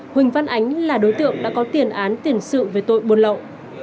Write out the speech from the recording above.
huỳnh văn ánh là đối tượng đã có tiền án tiền sự về tội buôn lậu